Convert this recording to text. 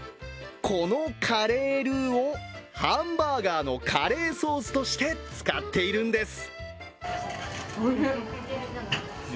このカレールーをハンバーガーのカレーソースとして使っているんです。